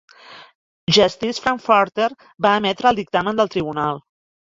Justice Frankfurter va emetre el dictamen del Tribunal.